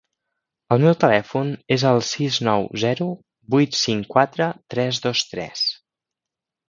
El meu telèfon és el sis nou zero vuit cinc quatre tres dos tres.